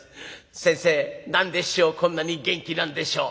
「先生何で師匠こんなに元気なんでしょう？」。